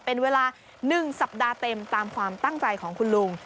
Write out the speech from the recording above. เป็นเวลา๑สัปดาห์เต็มตามความตั้งใจของคุณลุง